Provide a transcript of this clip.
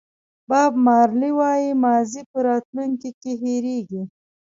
باب مارلې وایي ماضي په راتلونکي کې هېرېږي.